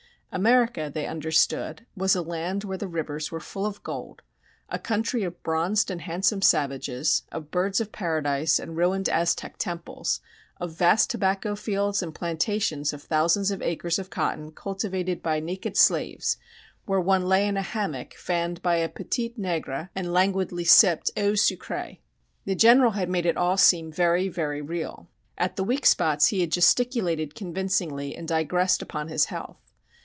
America, they understood, was a land where the rivers were full of gold a country of bronzed and handsome savages, of birds of paradise and ruined Aztec temples, of vast tobacco fields and plantations of thousands of acres of cotton cultivated by naked slaves, while one lay in a hammock fanned by a "petite nègre" and languidly sipped eau sucrée. The General had made it all seem very, very real. At the weak spots he had gesticulated convincingly and digressed upon his health.